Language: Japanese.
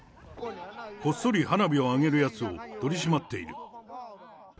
こっそり花火を上げるやつを取り締まっている。